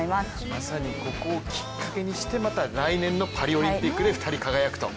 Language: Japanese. まさにここをきっかけにしてまた来年のパリオリンピックで輝くと。